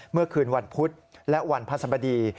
เมื่อคืนวันพุธและวันพระสบดี